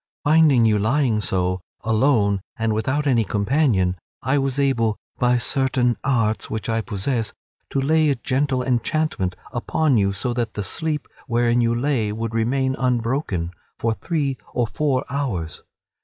Finding you lying so, alone and without any companion, I was able, by certain arts which I possess, to lay a gentle enchantment upon you so that the sleep wherein you lay should remain unbroken for three or four hours.